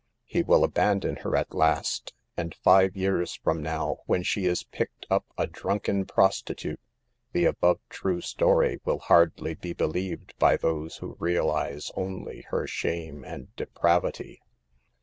"He will abandon her at last, and five years from now, when she is picked up a drunken prostitute, the above true story will hardly be believed by those who realize only her shame and depravity."